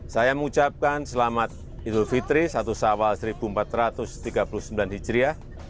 saya mengucapkan selamat idul fitri satu sawal seribu empat ratus tiga puluh sembilan hijriah